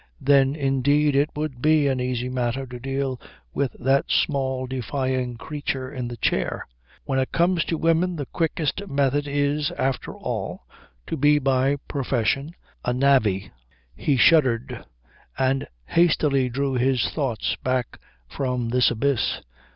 Then, indeed, it would be an easy matter to deal with that small defying creature in the chair. When it comes to women the quickest method is, after all, to be by profession a navvy.... He shuddered, and hastily drew his thoughts back from this abyss.